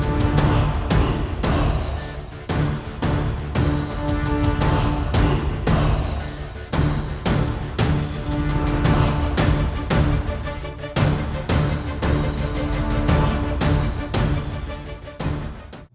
kehidupan kalian semua